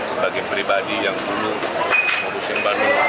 sebagai pribadi yang dulu ngurusin bandung